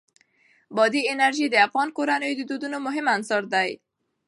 بادي انرژي د افغان کورنیو د دودونو مهم عنصر دی.